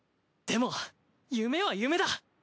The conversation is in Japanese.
でも夢は夢だ。